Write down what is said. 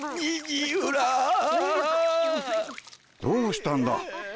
どうしたんだ？